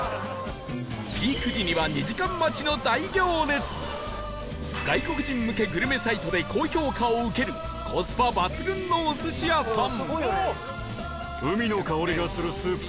ピーク時には外国人向けグルメサイトで高評価を受けるコスパ抜群のお寿司屋さん